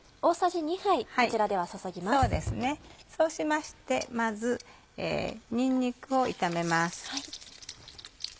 そうしましてまずにんにくを炒めます。